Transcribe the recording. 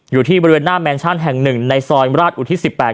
อยู่ที่บริเวณหน้าแมนชั่นแห่งหนึ่งในซอยราชอุทิศ๑๘